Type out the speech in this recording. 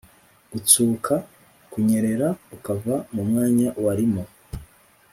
gutsuka: kunyerera ukava mu mwanya warimo.